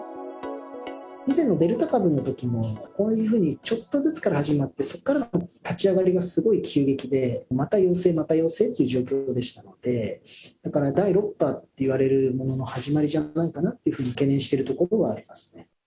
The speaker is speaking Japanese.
以前のデルタ株のときも、こういうふうにちょっとずつから始まって、そこからの立ち上がりがすごい急激で、また陽性、また陽性という状況でしたので、だから、第６波といわれるものの始まりじゃないかなというふうに懸念してるところではありますね。